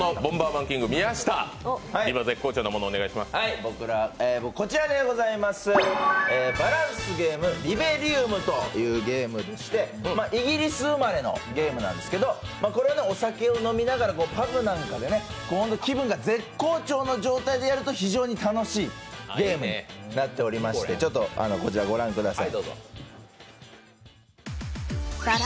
僕はバランスゲーム「リベリウム」というゲームでしてイギリス生まれのゲ−ムなんですけど、これはお酒を飲みながらパブなんかで、気分が絶好調の状態でやると非常に楽しいゲームになっておりまして、こちらご覧ください。